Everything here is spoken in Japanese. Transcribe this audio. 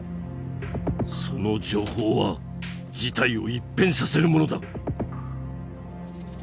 その情報は事態を一変させるものだ！